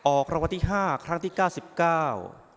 ออกคำวัติห้าครั้งที่เก้าสิบเก้า